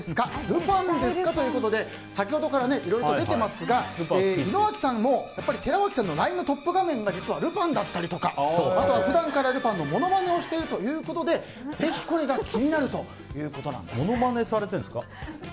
ルパンですか？ということで先ほどからいろいろと出ていますが井之脇さんもやっぱり寺脇さんのＬＩＮＥのトップ画面が実はルパンだったりとか普段からルパンのものまねをしているということでこれが気になるものまねされてるんですか？